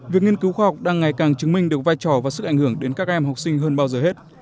việc nghiên cứu khoa học đang ngày càng chứng minh được vai trò và sức ảnh hưởng đến các em học sinh hơn bao giờ hết